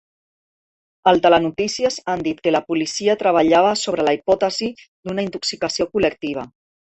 Al Telenotícies han dit que la policia treballava sobre la hipòtesi d'una intoxicació col·lectiva.